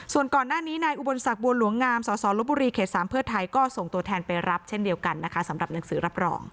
ส่วนก่อนหน้านี้นายอุบลศักดิบัวหลวงงามสสลบบุรีเขต๓เพื่อไทยก็ส่งตัวแทนไปรับเช่นเดียวกันนะคะสำหรับหนังสือรับรอง